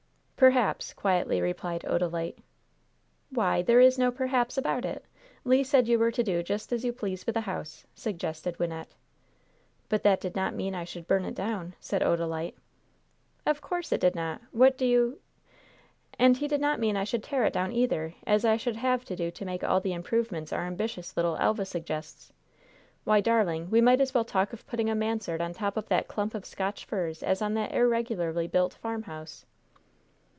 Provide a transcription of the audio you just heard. "Perhaps," quietly replied Odalite. "Why, there is no 'perhaps' about it! Le said you were to do just as you please with the house," suggested Wynnette. "But that did not mean I should burn it down," said Odalite. "Of course it did not. What do " "And he did not mean I should tear it down either, as I should have to do to make all the improvements our ambitious little Elva suggests. Why, darling, we might as well talk of putting a mansard on the top of that clump of Scotch firs as on that irregularly built farmhouse."